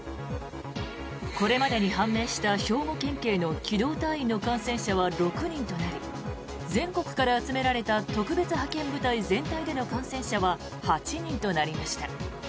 これまでに判明した兵庫県警の機動隊員の感染者は６人となり全国から集められた特別派遣部隊全体での感染者は８人となりました。